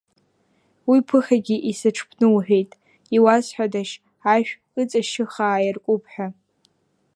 Уи ԥыхьагьы исаҽԥнуҳәеит, иуазҳәадашь ашә ыҵашьыхаа иаркуп ҳәа.